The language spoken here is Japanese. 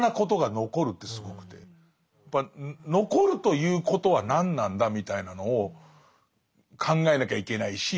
やっぱ残るということは何なんだみたいなのを考えなきゃいけないし。